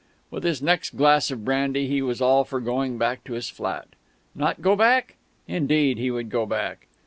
With his next glass of brandy he was all for going back to his flat. Not go back? Indeed, he would go back!